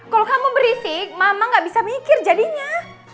kalau kamu berisik mama gak bisa mikir jadinya